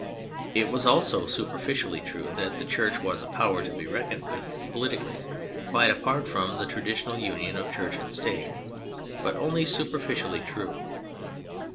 It was also superficially true that the Church was a power to be reckoned with politically, quite apart from the traditional union of Church and State — ^but only superficially true.